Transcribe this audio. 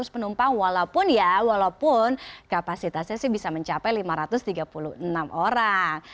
seratus penumpang walaupun ya walaupun kapasitasnya sih bisa mencapai lima ratus tiga puluh enam orang